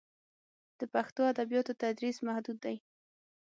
د پښتو ادبیاتو تدریس محدود دی.